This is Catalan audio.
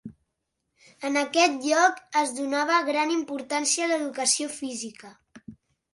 En aquest lloc es donava gran importància a l'educació física.